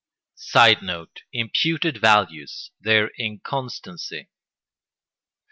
[Sidenote: Imputed values: their inconstancy.